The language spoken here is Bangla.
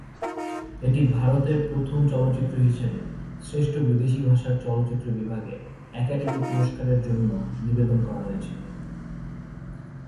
এটি ভারতের প্রথম চলচ্চিত্র হিসেবে শ্রেষ্ঠ বিদেশি ভাষার চলচ্চিত্র বিভাগে একাডেমি পুরস্কারের জন্য নিবেদন করা হয়েছিল।